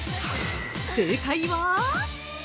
◆正解は。